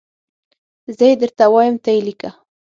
زه یي درته وایم ته یي لیکه